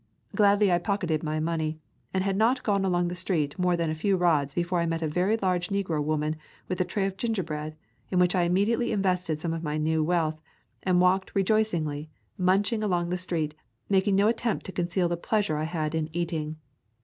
Gladly I pocketed my money, and had not gone along the street more than a few rods before I met a very large negro woman with a tray of gingerbread, in which I immediately invested some of my new wealth, and walked rejoicingly, munching along the street, making no attempt to conceal the plea sure I had in eating.